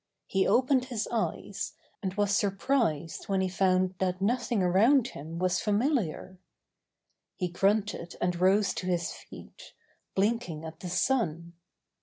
He opened his eyes, and was surprised when he found that nothing around him was fa miliar. He grunted and rose to his feet, blinking at the sun.